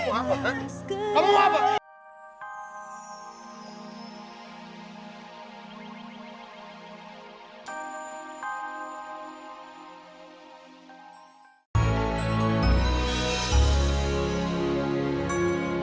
sampai jumpa lagi